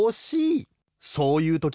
そういうときは。